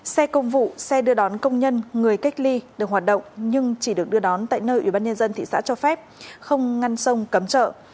xe công vụ xe đưa đón công nhân người cách ly được hoạt động nhưng chỉ được đưa đón tại nơi ubnd thị xã cho phép không ngăn sông cấm chợ